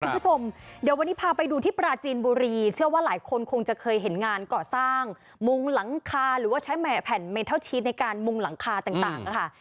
คุณผู้ชมเดี๋ยววันนี้พาไปดูที่ปราจีนบุรีเชื่อว่าหลายคนคงจะเคยเห็นงานก่อสร้างมุงหลังคาหรือว่าใช้แผ่นเมทัลชีสในการมุงหลังคาต่างนะคะ